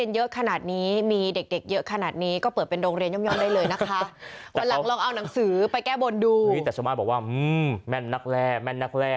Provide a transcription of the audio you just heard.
วันหลังลองเอาหนังสือไปแก้บนดูแต่ชมม่าบอกว่าอืมแม่นนักแรกแม่นนักแรก